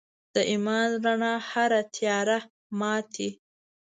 د ایمان رڼا هره تیاره ماتي.